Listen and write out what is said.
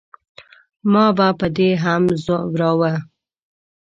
ما به په دې هم زوراوه.